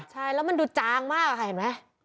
ใช่แล้วมันดูจางมากค่ะเห็นไหม